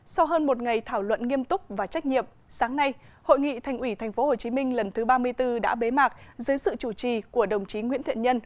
sau hơn một ngày thảo luận nghiêm túc và trách nhiệm sáng nay hội nghị thành ủy tp hcm lần thứ ba mươi bốn đã bế mạc dưới sự chủ trì của đồng chí nguyễn thiện nhân